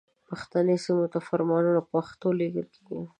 پښتني سیمو ته فرمانونه په پښتو لیږل کیږي.